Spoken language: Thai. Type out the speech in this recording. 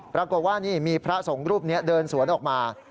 ปรากฏว่านี่มีพระสงฆ์รูปนี้เดินสวนออกมา